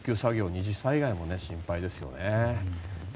二次災害も心配ですよね。